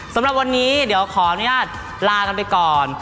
สำหรับวันนี้เดี๋ยวขออนุญาตลากันไปก่อน